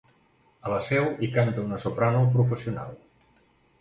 A la seu, hi canta una soprano professional.